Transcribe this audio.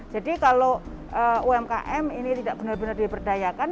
jadi kalau umkm ini tidak benar benar diberdayakan